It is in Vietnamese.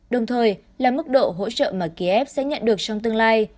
đồng thời là mức độ hỗ trợ mà kiev sẽ nhận được trong tương lai